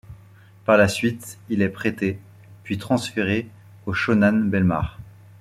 Par la suite, il est prêté, puis transféré au Shonan Bellmare.